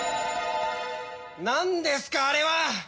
なんですかあれは！